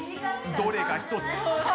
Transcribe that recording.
どれか１つ。